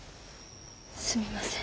すみません。